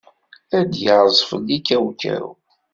Ad yerẓ fell-i kawkaw.